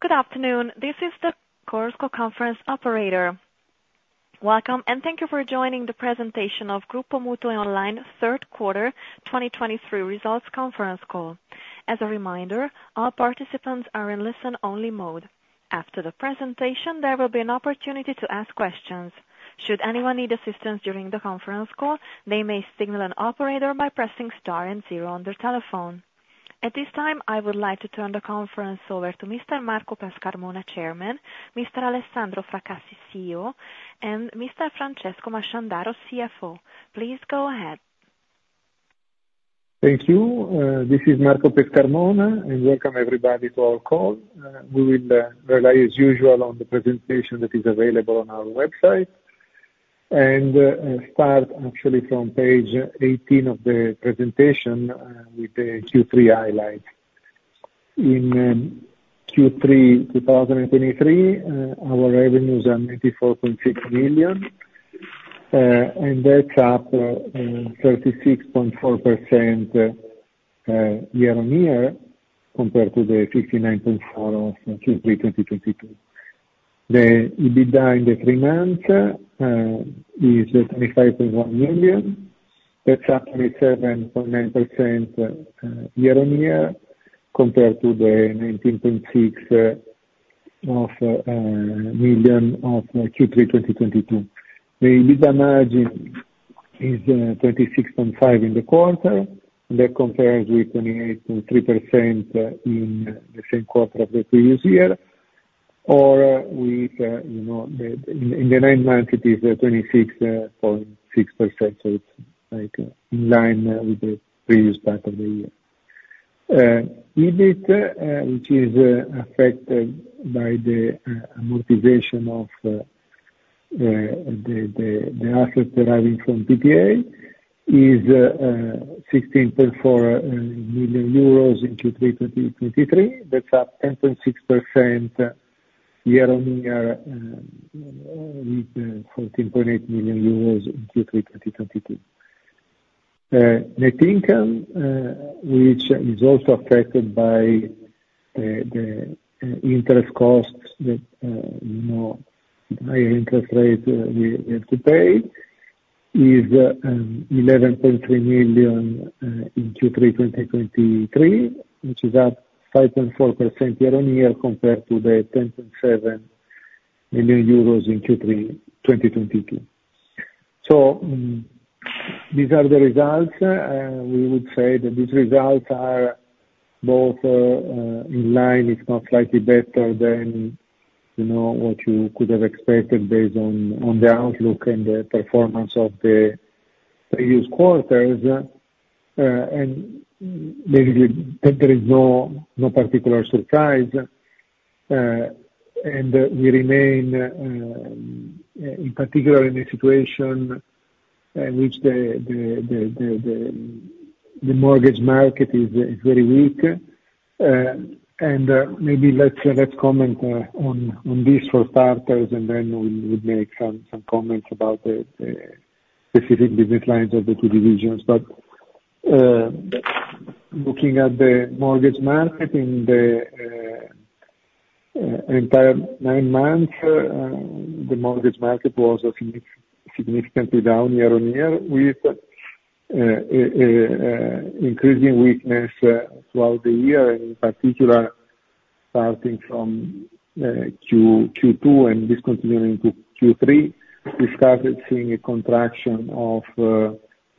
Good afternoon, this is the Chorus Call Conference operator. Welcome, and thank you for joining the presentation of Gruppo MutuiOnline Q3 2023 Results Conference Call. As a reminder, all participants are in listen-only mode. After the presentation, there will be an opportunity to ask questions. Should anyone need assistance during the conference call, they may signal an operator by pressing star and zero on their telephone. At this time, I would like to turn the conference over to Mr. Marco Pescarmona, Chairman, Mr. Alessandro Fracassi, CEO, and Mr. Francesco Masciandaro, CFO. Please go ahead. Thank you. This is Marco Pescarmona, and welcome everybody to our call. We will rely as usual on the presentation that is available on our website, and start actually from page 18 of the presentation, with the Q3 highlights. In Q3 2023, our revenues are 94.6 million. And that's up 36.4% year-on-year, compared to the 59.4 of Q3 2022. The EBITDA in the three months is 25.1 million. That's up 27.9% year-on-year, compared to the 19.6 million of Q3 2022. The EBITDA margin is 26.5% in the quarter. That compares with 28.3% in the same quarter of the previous year, or with you know in the nine months, it is 26.6%. So it's, like, in line with the previous part of the year. EBIT, which is affected by the amortization of the assets deriving from PPA, is 16.4 million euros in Q3 2023. That's up 10.6% year-on-year, with 14.8 million euros in Q3 2022. Net income, which is also affected by the interest costs that you know high interest rate we have to pay, is 11.3 million in Q3 2023, which is up 5.4% year-on-year, compared to the 10.7 million euros in Q3 2022. So, these are the results, and we would say that these results are both in line, if not slightly better than, you know, what you could have expected based on the outlook and the performance of the previous quarters. And maybe there is no particular surprise, and we remain in particular in a situation in which the mortgage market is very weak. And maybe let's comment on this for starters, and then we would make some comments about the specific business lines of the two divisions. But looking at the mortgage market, in the entire nine months, the mortgage market was significantly down year-over-year, with increasing weakness throughout the year, and in particular, starting from Q2 and continuing to Q3, we started seeing a contraction of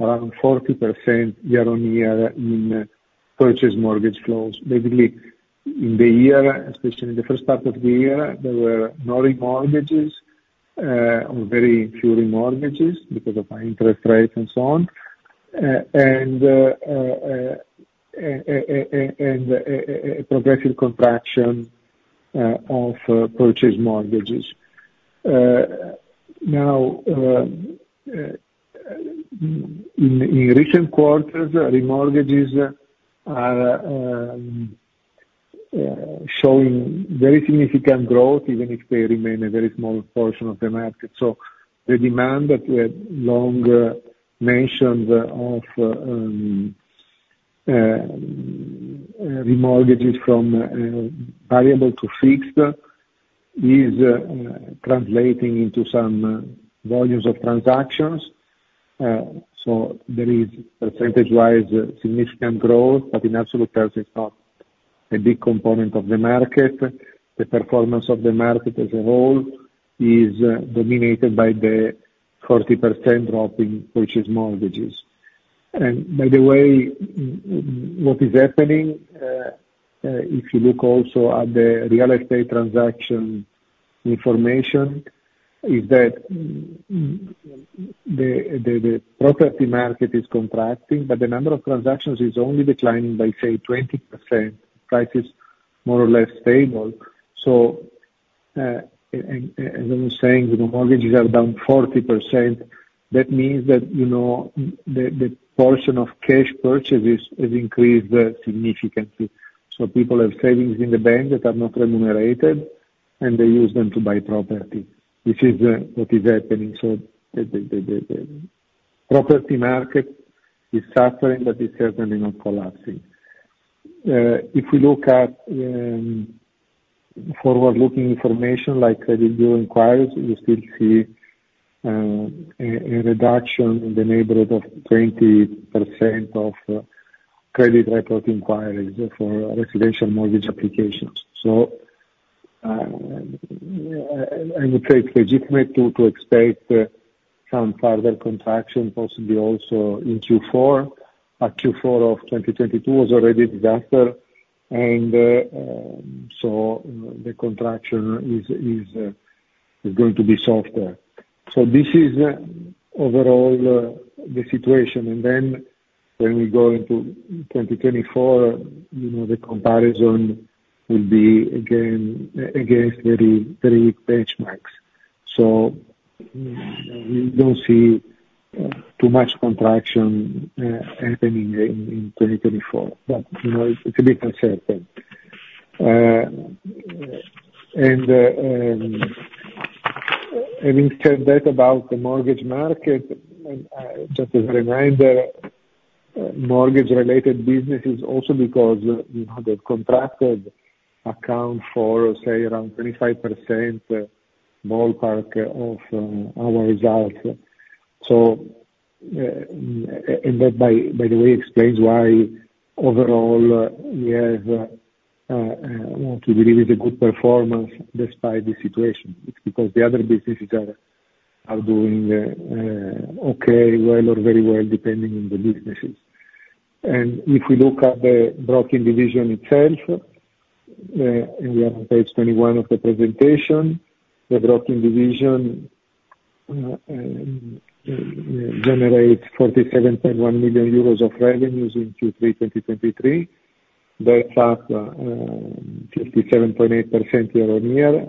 around 40% year-over-year in purchase mortgage flows. Basically, in the year, especially in the first part of the year, there were no remortgages or very few remortgages because of high interest rates and so on. And a progressive contraction of purchase mortgages. Now, in recent quarters, remortgages are showing very significant growth, even if they remain a very small portion of the market. So the demand that we have long mentioned of remortgages from variable to fixed is translating into some volumes of transactions. So there is percentage-wise significant growth, but in absolute terms, it's not a big component of the market. The performance of the market as a whole is dominated by the 40% drop in purchase mortgages. And by the way, what is happening if you look also at the real estate transaction information is that the property market is contracting, but the number of transactions is only declining by, say, 20%. Price is more or less stable. So and as I was saying, the mortgages are down 40%. That means that, you know, the portion of cash purchases has increased significantly. So people have savings in the bank that are not remunerated, and they use them to buy property, which is what is happening. The property market is suffering, but it's certainly not collapsing. If we look at forward-looking information like Credit Bureau inquiries, you still see a reduction in the neighborhood of 20% of credit report inquiries for residential mortgage applications. It's legitimate to expect some further contraction, possibly also in Q4, but Q4 of 2022 was already disaster, and so the contraction is going to be softer. So this is overall the situation. Then when we go into 2024, you know, the comparison will be again against very, very benchmarks. So we don't see too much contraction, happening in 2024, but, you know, it's a different certain. And, having said that, about the mortgage market, just as a reminder, mortgage-related businesses also because, you know, the contracted account for, say, around 25% ballpark of, our results. So, and that by, by the way, explains why overall, we have, what we believe is a good performance despite the situation, it's because the other businesses are, doing, okay, well, or very well, depending on the businesses. And if we look at the broking division itself, and we are on page 21 of the presentation, the broking division, generates 47.1 million euros of revenues in Q3 2023. That's up 57.8% year-on-year,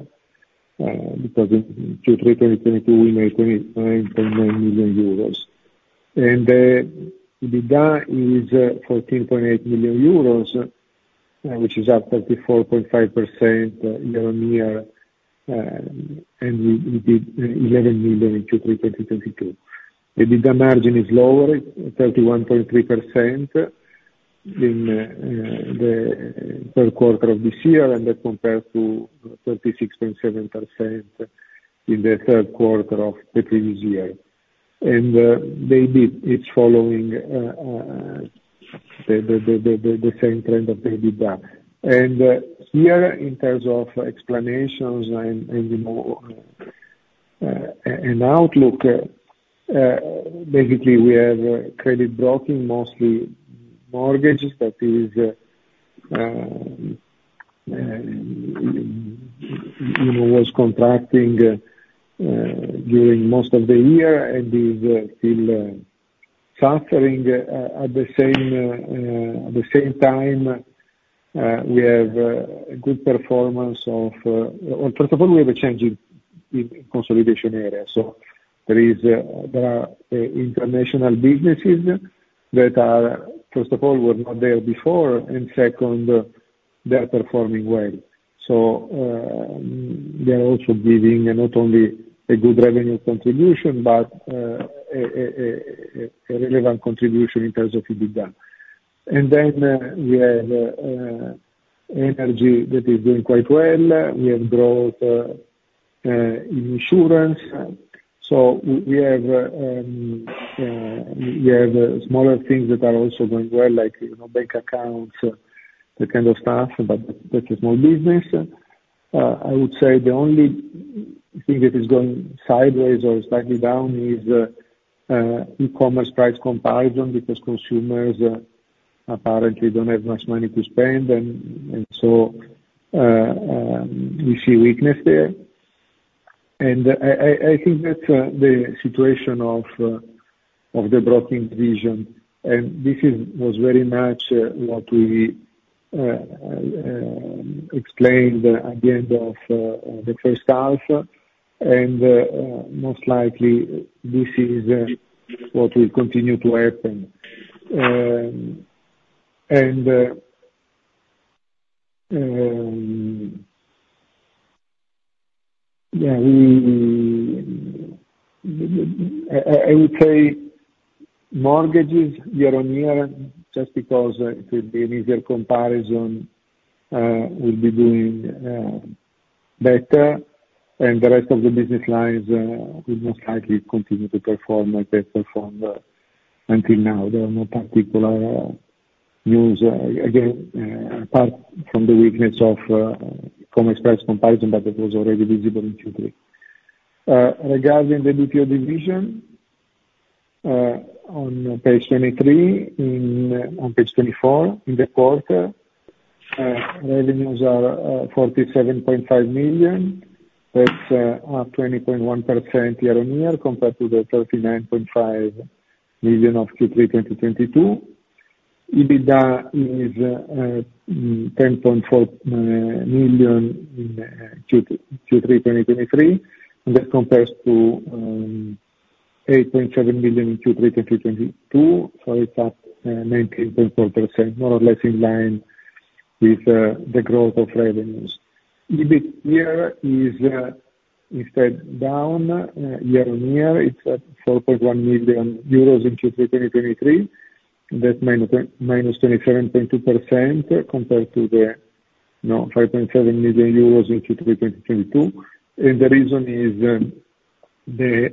because in Q3 2022, we made 29.9 million euros. The D&A is 14.8 million euros, which is up 34.5% year-on-year, and we did 11 million in Q3 2022. Maybe the margin is lower, 31.3% in the Q3 of this year, and that compares to 36.7% in the Q3 of the previous year. Maybe it's following the same trend of the EBITDA. Here, in terms of explanations and, you know, and outlook, basically we have credit broking, mostly mortgages, that is, you know, was contracting during most of the year and is still suffering at the same time, we have a good performance of, well, first of all, we have a change in consolidation area. So there are international businesses that are, first of all, were not there before, and second, they are performing well. So, they are also giving not only a good revenue contribution, but a relevant contribution in terms of EBITDA. And then, we have energy that is doing quite well. We have growth in insurance. So we have smaller things that are also going well, like, you know, bank accounts, that kind of stuff, but that is more business. I would say the only thing that is going sideways or slightly down is e-commerce price comparison, because consumers apparently don't have much money to spend, and so we see weakness there. And I think that's the situation of the broking division, and this was very much what we explained at the end of the H1, and most likely this is what will continue to happen. Yeah, I would say mortgages year-on-year, just because it will be an easier comparison, will be doing better, and the rest of the business lines will most likely continue to perform like they performed until now. There are no particular news, again, apart from the weakness of from express comparison, but that was already visible in Q3. Regarding the BPO division, on page 23, on page 24, in the quarter, revenues are 47.5 million. That's a 20.1% year-on-year, compared to the 39.5 million of Q3 2022. EBITDA is 10.4 million in Q3 2023. That compares to 8.7 million in Q3 2022, so it's up 19.4%, more or less in line with the growth of revenues. EBITDA is instead down year-on-year. It's at 4.1 million euros in Q3 2023. That's -27.2% compared to the, you know, 5.7 million euros in Q3 2022. And the reason is the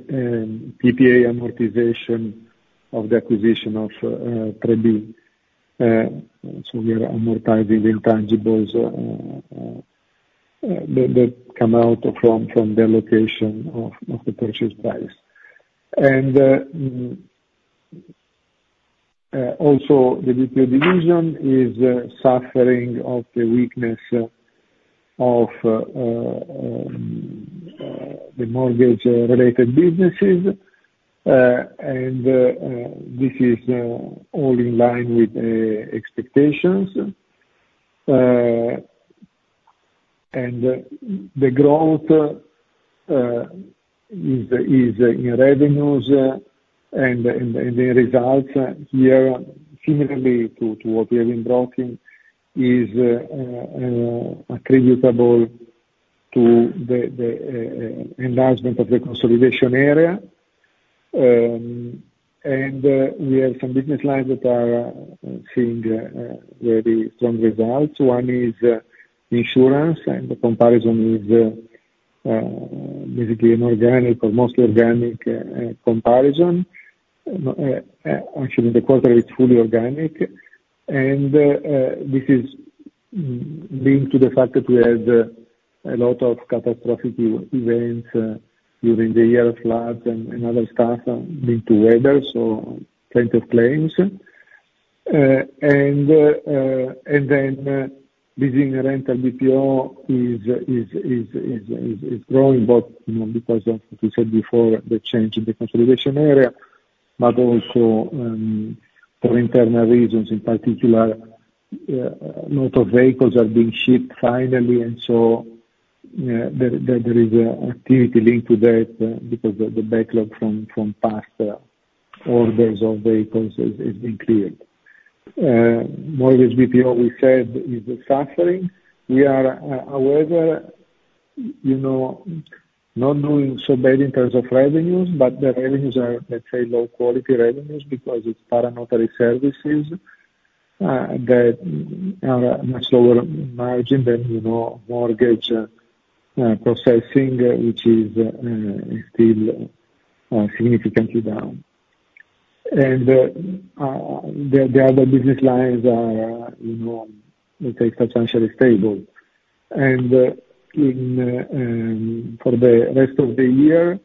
PPA amortization of the acquisition of Trebi. So we are amortizing intangibles that come out from the allocation of the purchase price. And also the BPO division is suffering of the weakness of the mortgage-related businesses. And this is all in line with expectations. And the growth is in revenues and the results here, similarly to what we have in broking, is attributable to the enlargement of the consolidation area. And we have some business lines that are seeing very strong results. One is insurance, and the comparison is basically inorganic or mostly organic comparison. Actually, the quarter is fully organic, and this is due to the fact that we had a lot of catastrophic events during the year, floods and other stuff due to weather, so plenty of claims. And then, leasing and rental BPO is growing, but you know, because of, as I said before, the change in the consolidation area, but also for internal reasons, in particular, a lot of vehicles are being shipped finally, and so there is an activity linked to that, because of the backlog from past orders of vehicles has been cleared. Mortgage BPO, we said, is suffering. We are, however, you know, not doing so bad in terms of revenues, but the revenues are, let's say, low quality revenues because it's para‑notary services that are a much lower margin than, you know, mortgage processing, which is still significantly down. And the other business lines are, you know, let's say, substantially stable. In for the rest of the year,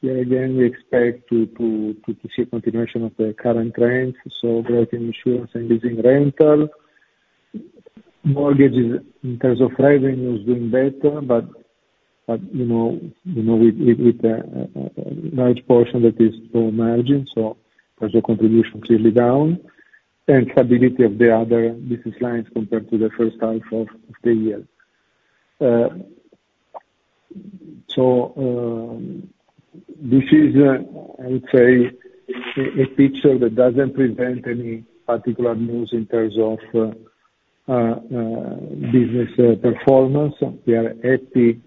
here again, we expect to see a continuation of the current trends, so growth in insurance and leasing rental. Mortgages, in terms of revenue, is doing better, but you know, with a large portion that is still margin, so as a contribution, clearly down, and stability of the other business lines compared to the H1 of the year. So, this is, I would say, a picture that doesn't present any particular news in terms of business performance. We are happy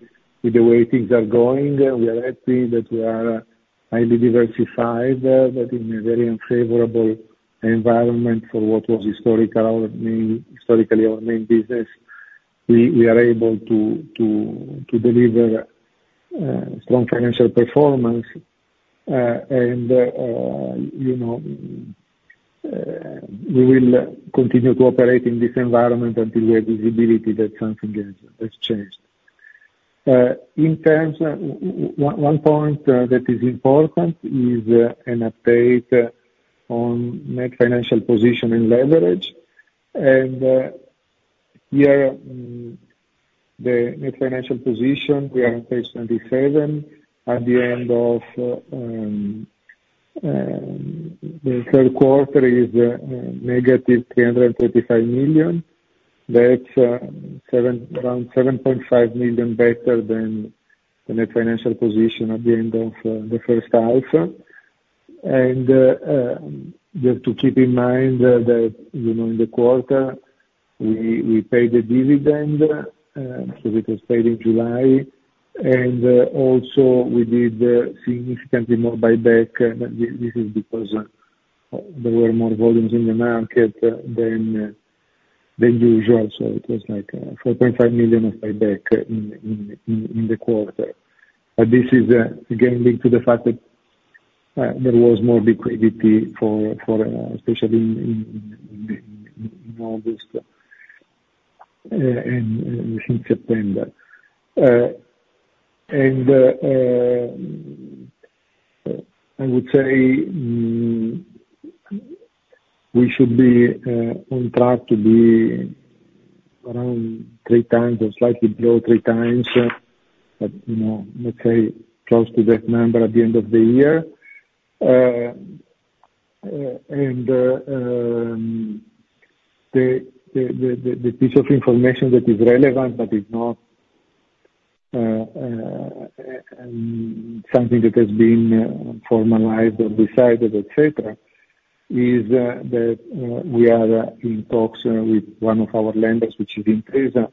with the way things are going, and we are happy that we are highly diversified, but in a very unfavorable environment for what was historical, I mean, historically our main business. We are able to deliver strong financial performance, and you know, we will continue to operate in this environment until we have visibility that something has changed. In terms, one point that is important is an update on net financial position and leverage. And here, the net financial position, we are in page 27, at the end of the Q3 is -335 million. That's around 7.5 million better than the net financial position at the end of the H1. And just to keep in mind that, you know, in the quarter, we paid the dividend, so it was paid in July. And, also, we did significantly more buyback. This is because there were more volumes in the market than usual, so it was, like, 4.5 million of buyback in the quarter. But this is, again, due to the fact that there was more liquidity, especially in August and in September. And I would say we should be on track to be around 3x or slightly below 3x, but, you know, let's say close to that number at the end of the year. And the piece of information that is relevant, but is not-... Something that has been formalized or decided, et cetera, is that we are in talks with one of our lenders, which is Intesa,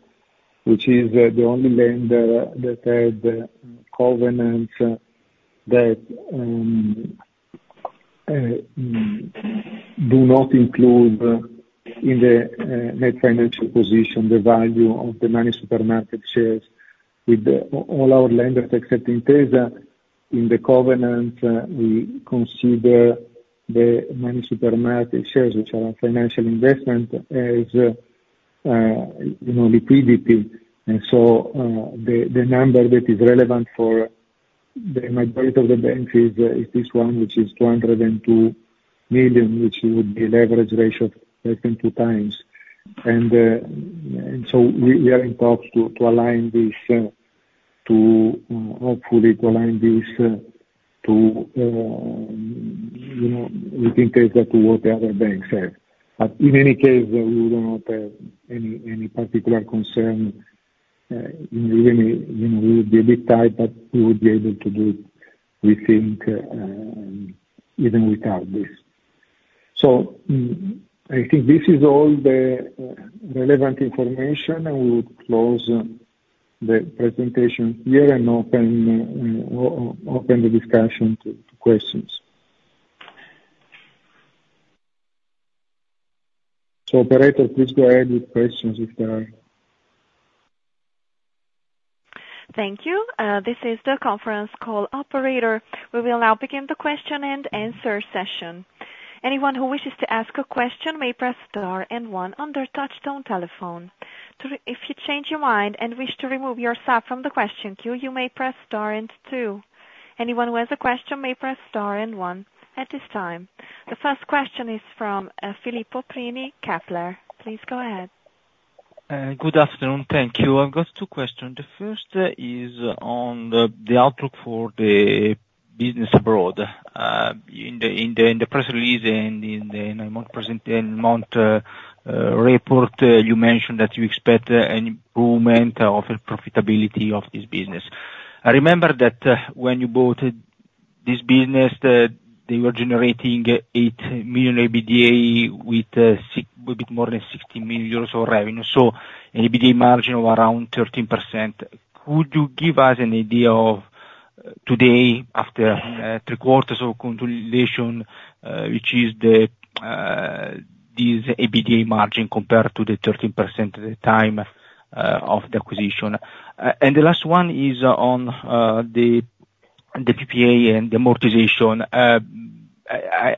which is the only lender that had the covenants that do not include, in the net financial position, the value of the Moneysupermarket shares with all our lenders, except Intesa. In the covenant, we consider the Moneysupermarket shares, which are a financial investment, as, you know, liquidity. And so, the number that is relevant for the majority of the banks is this one, which is 202 million, which would be leverage ratio 20x. And so we are in talks to align this, hopefully to align this, you know, with Intesa to what the other banks have. But in any case, we do not have any, any particular concern, in really, you know, we would be a bit tight, but we would be able to do, we think, even without this. So, I think this is all the relevant information, and we would close the presentation here and open the discussion to questions. So operator, please go ahead with questions if there are any. Thank you. This is the conference call operator. We will now begin the question and answer session. Anyone who wishes to ask a question may press star and one on their touchtone telephone. If you change your mind and wish to remove yourself from the question queue, you may press star and two. Anyone who has a question may press star and one at this time. The first question is from Filippo Prini, Kepler. Please go ahead. Good afternoon. Thank you. I've got two questions. The first is on the outlook for the business abroad. In the press release and in the nine-month report, you mentioned that you expect an improvement of the profitability of this business. I remember that when you bought this business, that they were generating 8 million EBITDA with a bit more than 60 million euros of revenue, so EBITDA margin of around 13%. Could you give us an idea of today, after 3 quarters of consolidation, which is the this EBITDA margin compared to the 13% at the time of the acquisition? And the last one is on the PPA and the amortization.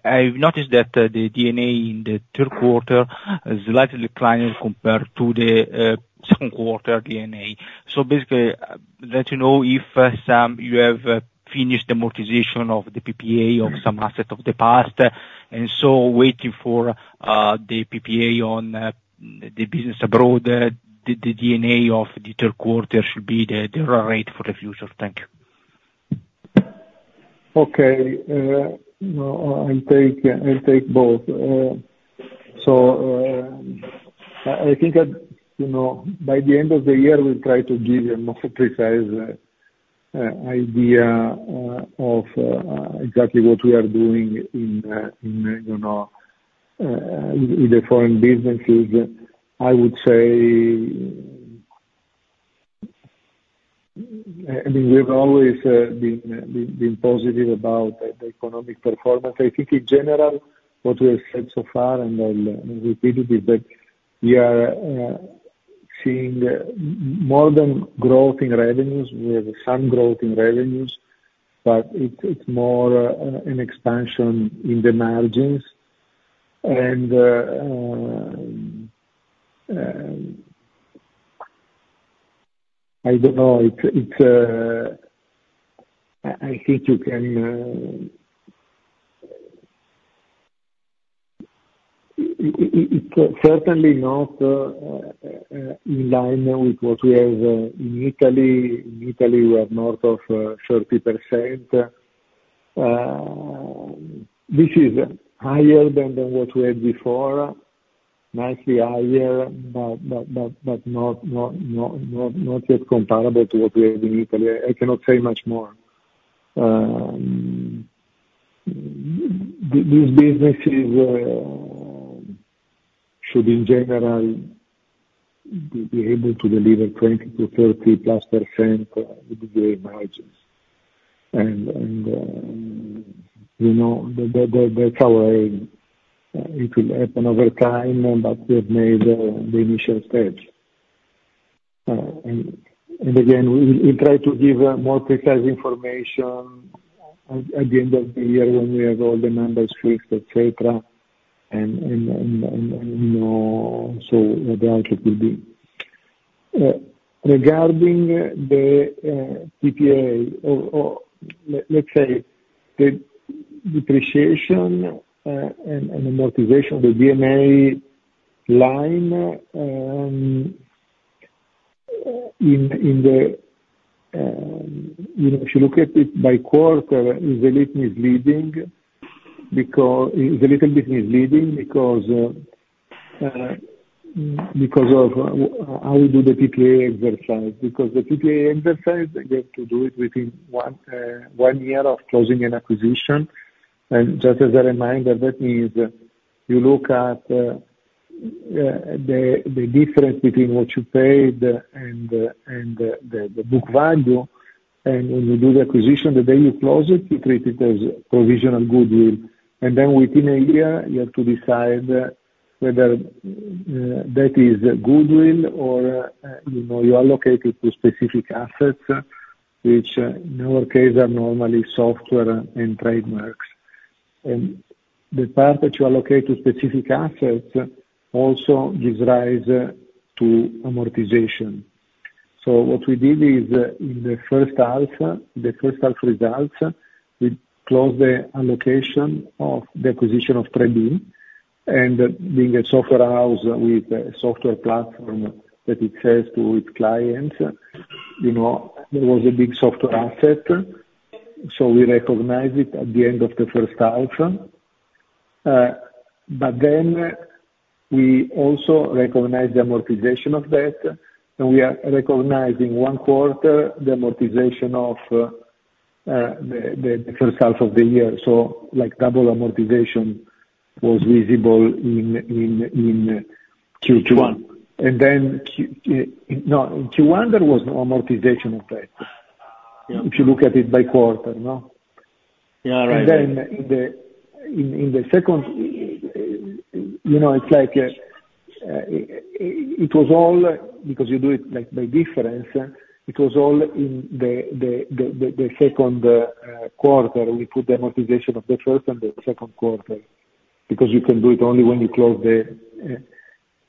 I've noticed that the D&A in the Q3 is slightly declining compared to the Q2 D&A. So basically, let you know if some you have finished the amortization of the PPA of some asset of the past, and so waiting for the PPA on the business abroad, the D&A of the Q3 should be the right for the future. Thank you. Okay. No, I'll take both. So, I think that, you know, by the end of the year, we'll try to give you a more precise idea of exactly what we are doing in, you know, in the foreign businesses. I would say, I mean, we've always been positive about the economic performance. I think in general, what we have said so far, and I'll repeat it, is that we are seeing more than growth in revenues. We have some growth in revenues, but it's more an expansion in the margins. And, I don't know, it's... I think you can, it's certainly not in line with what we have in Italy. In Italy, we have north of 30%. This is higher than what we had before, nicely higher, but not yet comparable to what we have in Italy. I cannot say much more. These businesses should in general be able to deliver 20-30%+ with the margins. You know, they're covering. It will happen over time, but we have made the initial stage. Again, we try to give more precise information at the end of the year when we have all the numbers fixed, et cetera, you know, so the budget will be. Regarding the PPA or let's say the depreciation and amortization, the D&A line, you know, if you look at it by quarter, is a little bit misleading because of how we do the PPA exercise, because the PPA exercise, they have to do it within one year of closing an acquisition. And just as a reminder, that means you look at the difference between what you paid and the book value, and when you do the acquisition, the day you close it, you treat it as provisional goodwill. Then within a year, you have to decide whether that is goodwill or, you know, you allocate it to specific assets, which, in our case, are normally software and trademarks. The part that you allocate to specific assets also gives rise to amortization. So what we did is, in the H1, the H1 results, we closed the allocation of the acquisition of Trebi, and, being a software house with a software platform that it sells to its clients, you know, there was a big software asset, so we recognized it at the end of the H1. But then we also recognized the amortization of that, and we are recognizing one quarter the amortization of the H1 of the year. So, like, double amortization was visible in Q2. And then, no, in Q1, there was no amortization in place. Yeah. If you look at it by quarter, no? Yeah. Right. And then in the second, you know, it's like, it was all because you do it, like, by difference, it was all in the Q2. We put the amortization of the first and the Q2, because you can do it only when you close the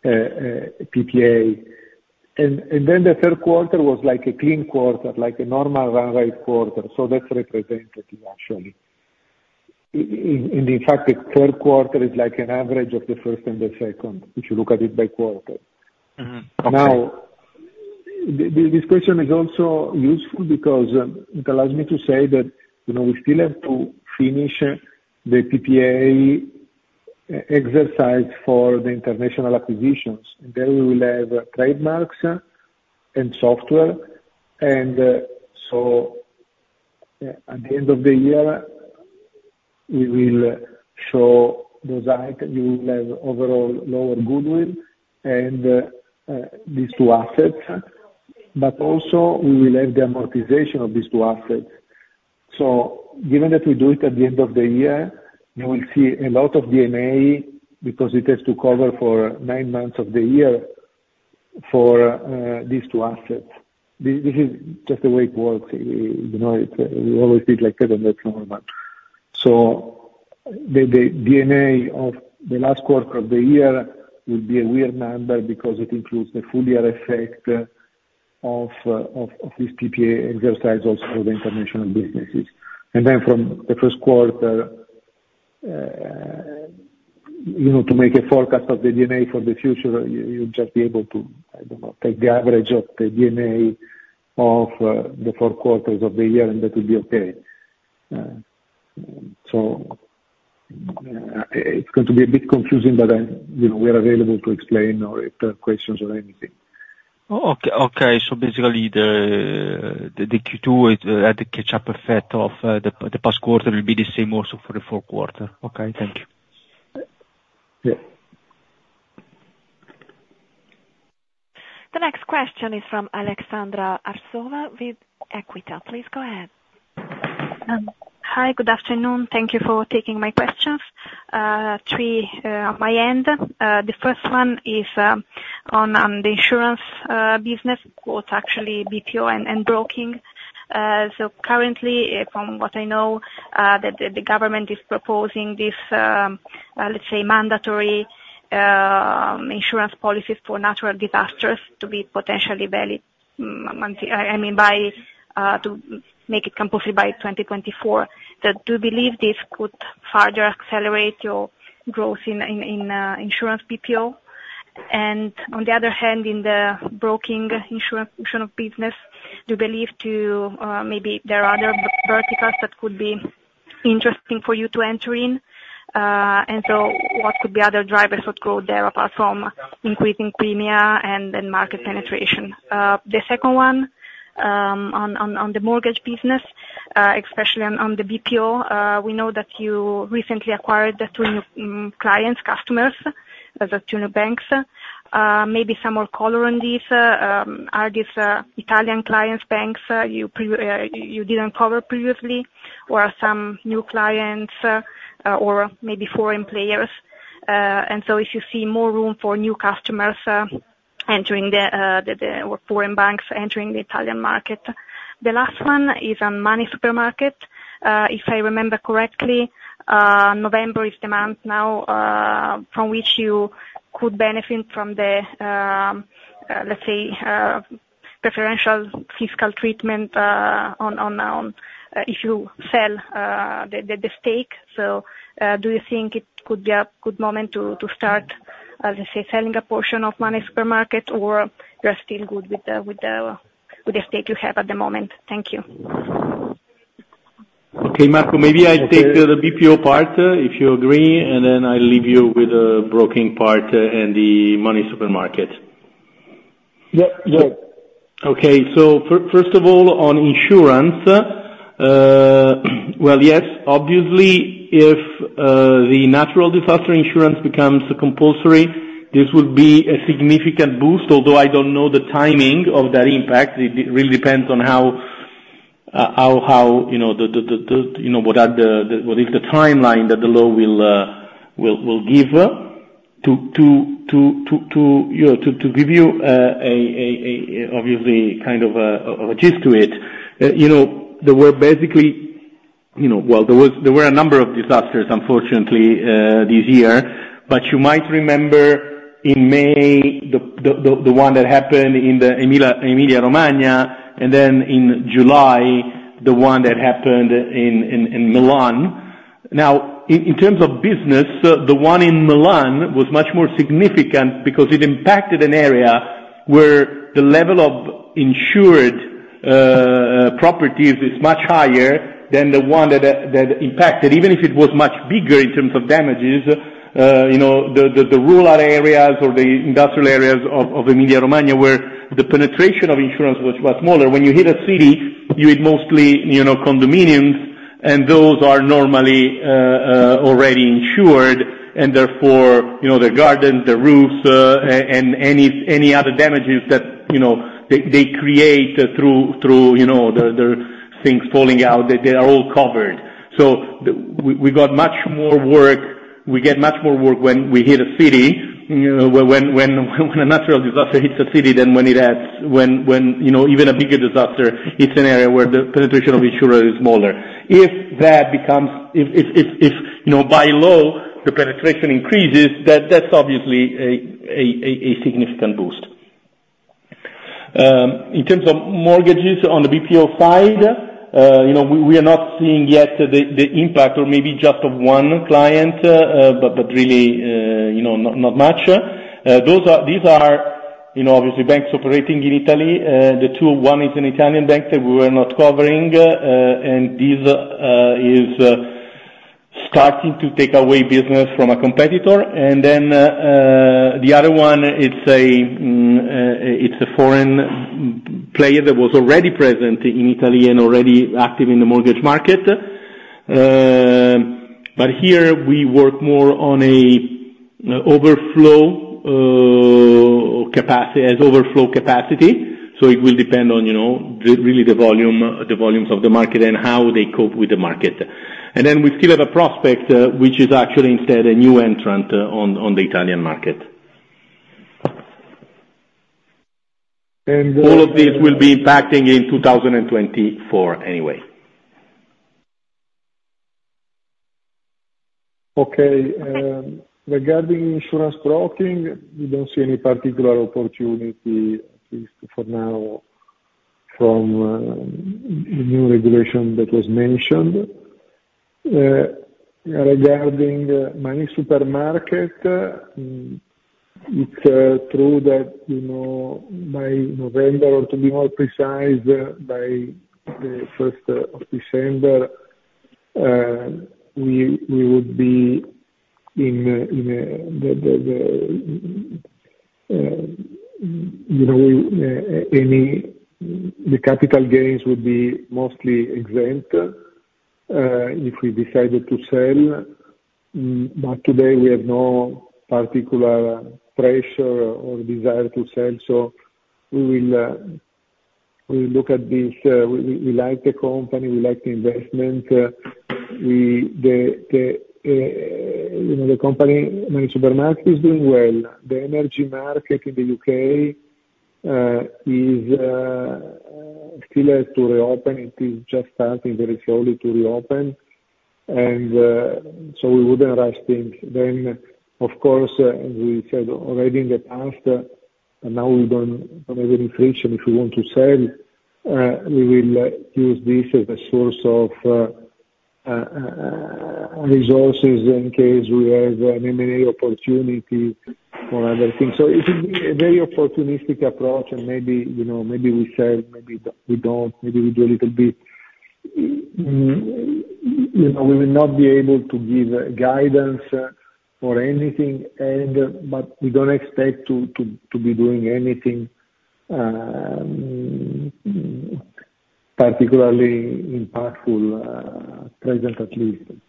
PPA. And then the Q3 was like a clean quarter, like a normal run rate quarter, so that's representative, actually. In fact, the Q3 is like an average of the first and the second, if you look at it by quarter. Now, this question is also useful because, it allows me to say that, you know, we still have to finish, the PPA exercise for the international acquisitions. Then we will have trademarks, and software, and, so, at the end of the year, we will show those items, we will have overall lower goodwill and, these two assets, but also we will have the amortization of these two assets. So given that we do it at the end of the year, you will see a lot of D&A, because it has to cover for nine months of the year for, these two assets. This is just the way it works. You know, it, we always see it like that, and that's normal. So the D&A of the last quarter of the year will be a weird number because it includes the full year effect of this PPA exercise, also the international businesses. And then from the Q1, you know, to make a forecast of the D&A for the future, you just be able to, I don't know, take the average of the D&A of the four quarters of the year, and that will be okay. So it's going to be a bit confusing, but you know, we are available to explain or if you have questions or anything. Oh, okay. So basically, the Q2, the catch-up effect of the past quarter will be the same also for the Q4. Okay, thank you. Yeah. The next question is from Aleksandra Arsova with Equita. Please go ahead. Hi, good afternoon. Thank you for taking my questions. Three on my end. The first one is on the insurance business, both actually BPO and broking. So currently, from what I know, that the government is proposing this, let's say mandatory insurance policies for natural disasters to be potentially—I mean, to make it compulsory by 2024. That, do you believe this could further accelerate your growth in insurance BPO? And on the other hand, in the broking insurance channel business, do you believe maybe there are other verticals that could be interesting for you to enter in? And so what could be other drivers of growth there, apart from increasing premium and then market penetration? The second one, on the mortgage business, especially on the BPO. We know that you recently acquired the three new clients, customers, the two new banks. Maybe some more color on this. Are these Italian clients, banks you previously didn't cover, or are some new clients, or maybe foreign players? And so if you see more room for new customers entering the foreign banks entering the Italian market. The last one is on Moneysupermarket. If I remember correctly, November is the month now from which you could benefit from the, let's say, preferential fiscal treatment on if you sell the stake. So, do you think it could be a good moment to start, as you say, selling a portion of Moneysupermarket, or you are still good with the stake you have at the moment? Thank you.... Okay, Marco, maybe I take the BPO part, if you agree, and then I leave you with the broking part and the Moneysupermarket. Yeah, yeah. Okay. So first of all, on insurance, well, yes, obviously, if the natural disaster insurance becomes compulsory, this would be a significant boost, although I don't know the timing of that impact. It really depends on how, you know, what is the timeline that the law will give, to give you, obviously, kind of, a gist to it. You know, there were basically, well, there were a number of disasters, unfortunately, this year. But you might remember in May, the one that happened in the Emilia-Romagna, and then in July, the one that happened in Milan. Now, in terms of business, the one in Milan was much more significant because it impacted an area where the level of insured properties is much higher than the one that impacted, even if it was much bigger in terms of damages. You know, the rural areas or the industrial areas of Emilia-Romagna, where the penetration of insurance was smaller. When you hit a city, you hit mostly, you know, condominiums, and those are normally already insured, and therefore, you know, the gardens, the roofs, and any other damages that, you know, they create through the things falling out, they are all covered. So we got much more work, we get much more work when we hit a city, you know, when a natural disaster hits a city than when it has... when, you know, even a bigger disaster hits an area where the penetration of insurer is smaller. If that becomes, you know, by law, the penetration increases, that's obviously a significant boost. In terms of mortgages on the BPO side, you know, we are not seeing yet the impact, or maybe just of one client, but really, you know, not much. Those are, these are, you know, obviously banks operating in Italy. The two, one is an Italian bank that we were not covering, and this is starting to take away business from a competitor. And then, the other one, it's a foreign player that was already present in Italy and already active in the mortgage market. But here we work more on a overflow capacity, as overflow capacity, so it will depend on, you know, really the volume, the volumes of the market and how they cope with the market. And then we still have a prospect, which is actually instead a new entrant on the Italian market. All of this will be impacting in 2024 anyway. Okay, regarding insurance broking, we don't see any particular opportunity, at least for now, from the new regulation that was mentioned. Regarding Moneysupermarket, it's true that, you know, by November, or to be more precise, by the first of December, we would be in a... The capital gains would be mostly exempt if we decided to sell, but today we have no particular pressure or desire to sell, so we will look at this. We like the company, we like the investment. You know, the company, Moneysupermarket, is doing well. The energy market in the U.K. is still has to reopen. It is just starting very slowly to reopen, and so we wouldn't rush things. Then, of course, as we said already in the past, and now we don't have any friction if we want to sell, we will use this as a source of resources in case we have an M&A opportunity or other things. So it will be a very opportunistic approach and maybe, you know, maybe we sell, maybe we don't, maybe we do a little bit. You know, we will not be able to give guidance for anything, and but we don't expect to be doing anything particularly impactful, present at least. Yeah, thank you.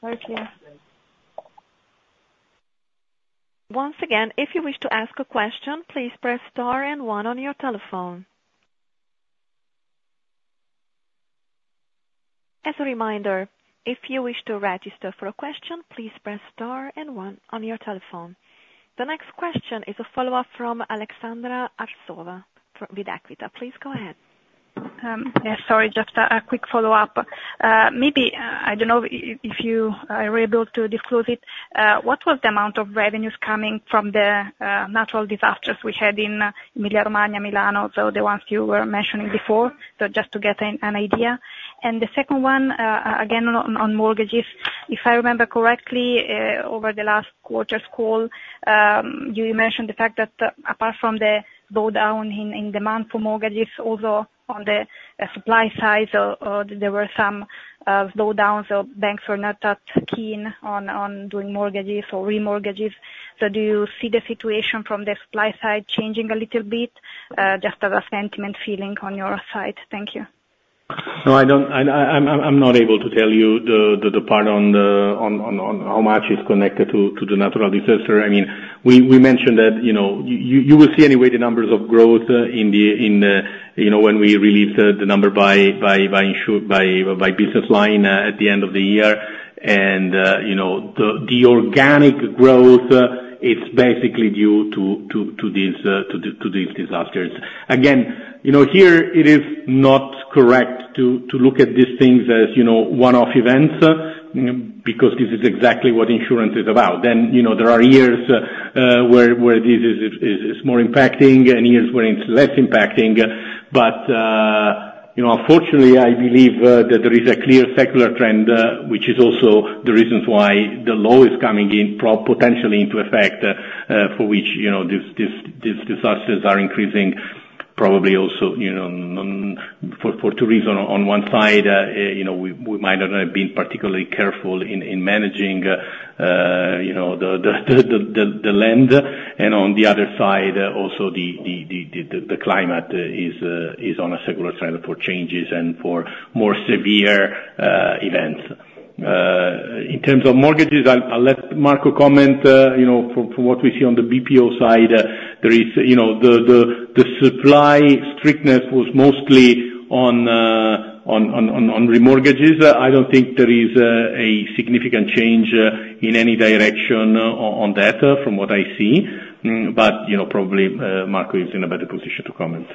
Very clear. Once again, if you wish to ask a question, please press star and one on your telephone. As a reminder, if you wish to register for a question, please press star and one on your telephone. The next question is a follow-up from Alexandra Arsova from Equita. Please go ahead. Yeah, sorry, just a quick follow-up. Maybe I don't know if you are able to disclose it, what was the amount of revenues coming from the natural disasters we had in Emilia-Romagna, Milan, so the ones you were mentioning before, so just to get an idea? And the second one, again, on mortgages: If I remember correctly, over the last quarters call, you mentioned the fact that, apart from the slowdown in demand for mortgages, also on the supply side, there were some slowdowns or banks were not that keen on doing mortgages or remortgages. So do you see the situation from the supply side changing a little bit, just as a sentiment feeling on your side? Thank you. No, I don't. I'm not able to tell you the part on how much is connected to the natural disaster. I mean, we mentioned that, you know, you will see anyway the numbers of growth, you know, when we release the numbers by business line at the end of the year. And, you know, the organic growth, it's basically due to these disasters. Again, you know, here it is not correct to look at these things as, you know, one-off events, because this is exactly what insurance is about. Then, you know, there are years where this is more impacting, and years where it's less impacting. But, you know, fortunately, I believe that there is a clear secular trend, which is also the reasons why the law is coming in potentially into effect, for which, you know, these disasters are increasing. Probably also, you know, for two reasons, on one side, you know, we might not have been particularly careful in managing, you know, the land. And on the other side, also the climate is on a secular trend for changes and for more severe events. In terms of mortgages, I'll let Marco comment. You know, from what we see on the BPO side, there is, you know, the supply strictness was mostly on remortgages. I don't think there is a significant change in any direction on that, from what I see. But you know, probably Marco is in a better position to comment.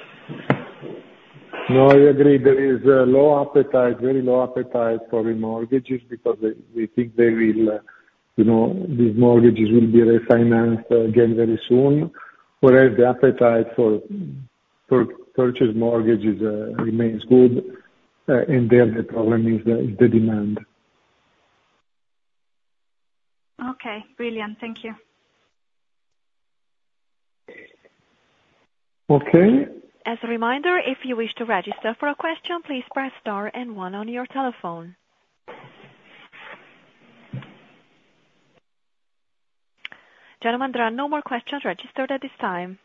No, I agree. There is a low appetite, very low appetite for remortgages because they, we think they will, you know, these mortgages will be refinanced again very soon. Whereas the appetite for purchase mortgages remains good, and there the problem is the demand. Okay, brilliant. Thank you. Okay. As a reminder, if you wish to register for a question, please press star and one on your telephone. Gentlemen, there are no more questions registered at this time.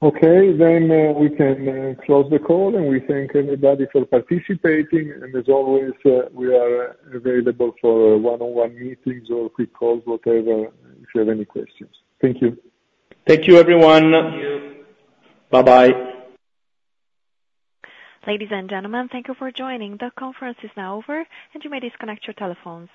Okay, then, we can close the call, and we thank everybody for participating. And as always, we are available for one-on-one meetings or quick calls, whatever, if you have any questions. Thank you. Thank you, everyone. Bye-bye. Ladies and gentlemen, thank you for joining. The conference is now over, and you may disconnect your telephones.